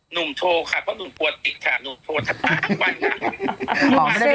หนูกลัวติดค่ะหนูโทษทักท้ายทั้งวันค่ะ